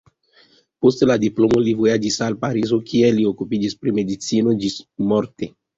Post la diplomo li vojaĝis al Parizo, kie li okupiĝis pri medicino ĝismorte.